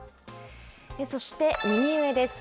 そして右上です。